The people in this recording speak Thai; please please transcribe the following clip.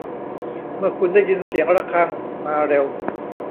เมื่อคุณได้ยินเสียงระฆังมาเร็ว